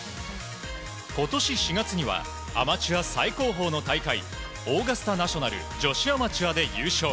今年４月にはアマチュア最高峰の大会オーガスタナショナル女子アマチュアで優勝。